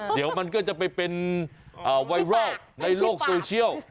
เดี๋ยวมันก็จะไปเป็นไวรัลในโลกโซเชียล